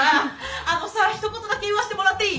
あのさひと言だけ言わしてもらっていい？